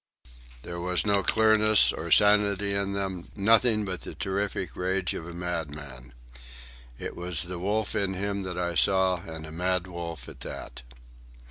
There was no clearness or sanity in them—nothing but the terrific rage of a madman. It was the wolf in him that I saw, and a mad wolf at that.